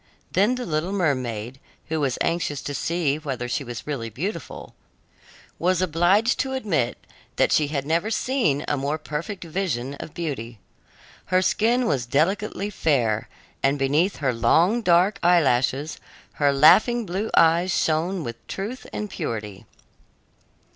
Then the little mermaid, who was anxious to see whether she was really beautiful, was obliged to admit that she had never seen a more perfect vision of beauty. Her skin was delicately fair, and beneath her long, dark eyelashes her laughing blue eyes shone with truth and purity.